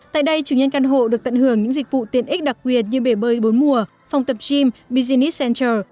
tại đây chủ nhân căn hộ được tận hưởng những dịch vụ tiện ích đặc biệt như bể bơi bốn mùa phòng tập gym business center